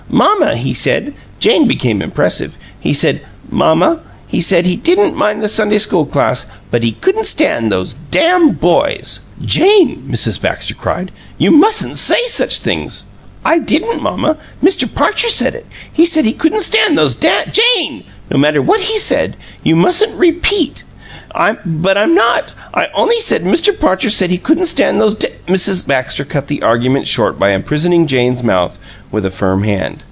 Mamma, he said" Jane became impressive "he said, mamma, he said he didn't mind the Sunday school class, but he couldn't stand those dam boys!" "Jane!" Mrs. Baxter cried, "you MUSTN'T say such things!" "I didn't, mamma. Mr. Parcher said it. He said he couldn't stand those da " "JANE! No matter what he said, you mustn't repeat " "But I'm not. I only said Mr. PARCHER said he couldn't stand those d " Mrs. Baxter cut the argument short by imprisoning Jane's mouth with a firm hand.